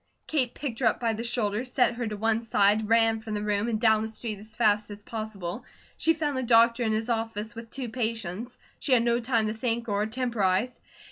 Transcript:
Kate picked her up by the shoulders, set her to one side, ran from the room and down the street as fast as possible. She found the doctor in his office with two patients. She had no time to think or temporize.